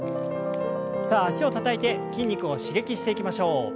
さあ脚をたたいて筋肉を刺激していきましょう。